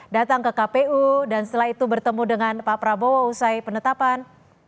datang ke kpu dan setelah itu bertemu dengan pak prabowo usai penetapan